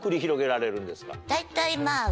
大体まぁ。